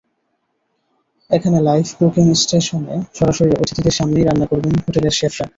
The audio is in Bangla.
এখানে লাইভ কুকিং স্টেশনে সরাসরি অতিথিদের সামনেই রান্না করবেন হোটেলের শেফরা।